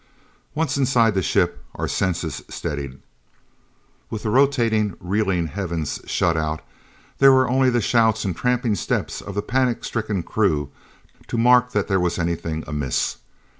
Once inside the ship, our senses steadied. With the rotating, reeling heavens shut out, there were only the shouts and tramping steps of the panic stricken crew to mark that there was anything amiss.